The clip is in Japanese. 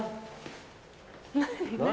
何？